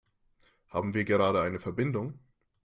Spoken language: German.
Haben wir gerade eine Verbindung?